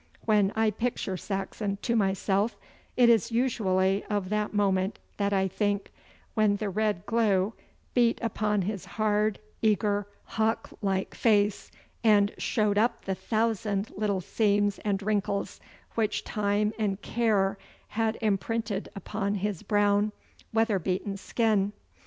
When I picture Saxon to myself it is usually of that moment that I think, when the red glow beat upon his hard, eager, hawk like face, and showed up the thousand little seams and wrinkles which time and care had imprinted upon his brown, weather beaten skin.